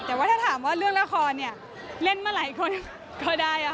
แต่ถ้าถามว่าเรื่องละครเล่นมาหลายคนก็ได้